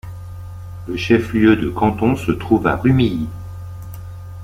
Le chef-lieu de canton se trouve à Rumilly.